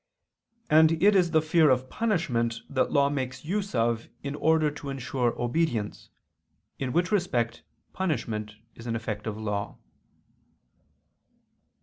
And it is the fear of punishment that law makes use of in order to ensure obedience: in which respect punishment is an effect of law.